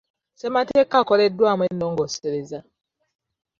Ssemateeka akoleddwamu ennongoosereza.